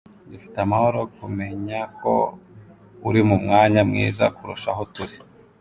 Dufite amahoro kumenya ko uri mu mwanya mwiza kurusha aho turi.